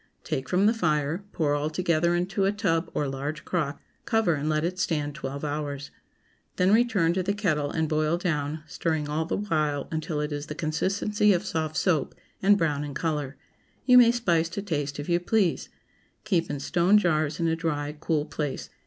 Take from the fire, pour all together into a tub or large crock; cover and let it stand twelve hours. Then return to the kettle and boil down, stirring all the while until it is the consistency of soft soap, and brown in color. You may spice to taste if you please. Keep in stone jars in a dry, cool place.